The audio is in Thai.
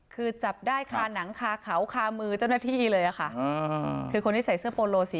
คือจับได้คาหนังคาเขาคามือเจ้าหน้าที่เลยอะค่ะคือคนที่ใส่เสื้อโปโลสี